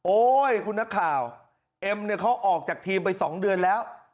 คุณนักข่าวเอ็มเนี่ยเขาออกจากทีมไป๒เดือนแล้ว